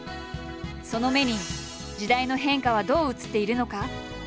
その目に時代の変化はどう映っているのか？